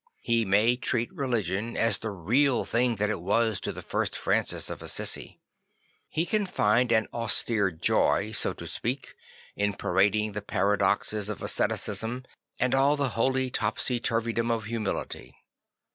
He may treat religion as the real thing that it was to the real Francis of Assisi. He can find an austere joy, so to speak, in parading the paradoxes of asceticism and all the holy topsy turvydom of humility.